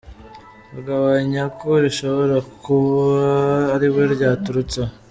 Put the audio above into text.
Agahamya ko rishobora kuba ariwe ryaturutseho.